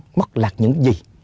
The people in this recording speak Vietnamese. tài sản mất lạc những gì